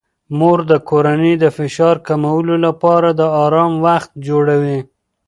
مور د کورنۍ د فشار کمولو لپاره د آرام وخت جوړوي.